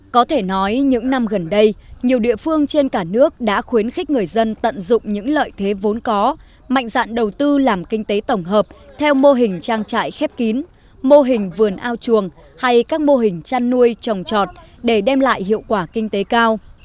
có thể nói những năm gần đây nhiều địa phương trên cả nước đã khuyến khích người dân tận dụng những lợi thế vốn có mạnh dạn đầu tư làm kinh tế tổng hợp theo mô hình trang trại khép kín mô hình vườn ao chuồng hay các mô hình chăn nuôi trồng trọt để đem lại hiệu quả kinh tế cao